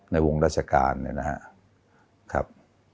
ในวงราชการนะครับ